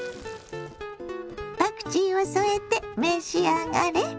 パクチーを添えて召し上がれ。